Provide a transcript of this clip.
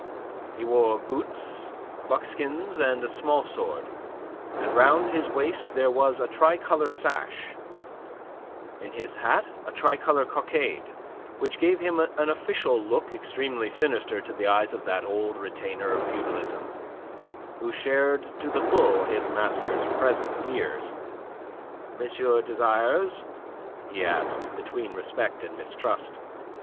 He wore boots, buckskins, and a small sword, and round his waist there was a tricolour sash, in his hat a tricolour cockade, which gave him an official look extremely sinister to the eyes of that old retainer of feudalism, who shared to the full his master's present fears. "Monsieur desires?" he asked, between respect and mistrust.